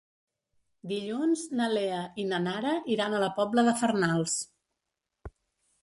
Dilluns na Lea i na Nara iran a la Pobla de Farnals.